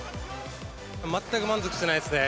全く満足してないですね。